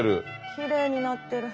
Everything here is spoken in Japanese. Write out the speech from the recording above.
きれいになってる。